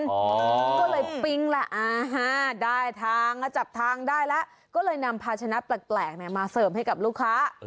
ก็เลยปิ๊งแหละได้ทางก็จับทางได้แล้วก็เลยนำภาชนะแปลกมาเสริมให้กับลูกค้า